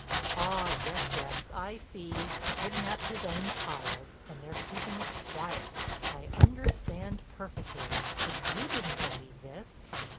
"Ah, yes, yes, I see—kidnaped his own child, and they're keeping it quiet. I understand perfectly. But you didn't believe this?"